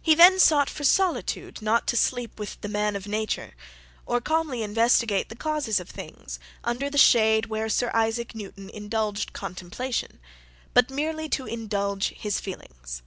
He then sought for solitude, not to sleep with the man of nature; or calmly investigate the causes of things under the shade where Sir Isaac Newton indulged contemplation, but merely to indulge his feelings.